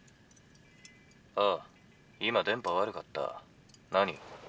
「あ今電波悪かった。何？」。